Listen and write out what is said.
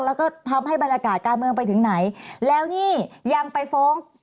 แล้วก็ทำให้บรรยากาศการเมืองไปถึงไหนแล้วนี่ยังไปฟ้อง